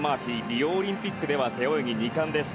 リオオリンピックでは背泳ぎ２冠です。